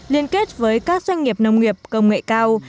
liên kết với các doanh nghiệp nông nghiệp công nghệ cao